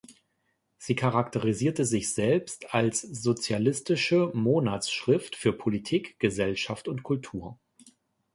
Sie charakterisierte sich selbst als „Sozialistische Monatsschrift für Politik, Gesellschaft und Kultur“.